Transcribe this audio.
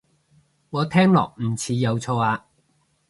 我聽落唔似有錯啊